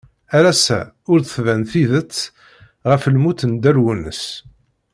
Ar ass-a ur d-tban tidett ɣef lmut n Dda Lwennas.